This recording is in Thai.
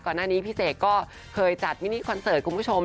ก่อนหน้านี้พี่เศกก็เคยจัดมินิคอนเสิร์ตคุณผู้ชม